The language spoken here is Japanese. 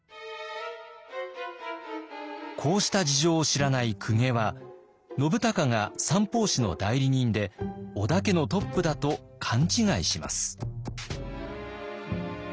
こうした事情を知らない公家は信孝が三法師の代理人で織田家のトップだと勘違いします。